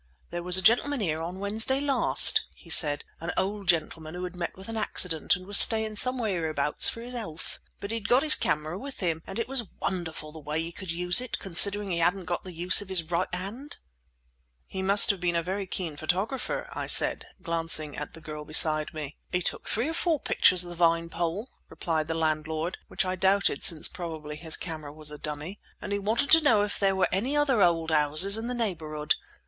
"There was a gentleman here on Wednesday last," he said; "an old gentleman who had met with an accident, and was staying somewhere hereabouts for his health. But he'd got his camera with him, and it was wonderful the way he could use it, considering he hadn't got the use of his right hand." "He must have been a very keen photographer," I said, glancing at the girl beside me. "He took three or four pictures of the Vinepole," replied the landlord (which I doubted, since probably his camera was a dummy); "and he wanted to know if there were any other old houses in the neighbourhood.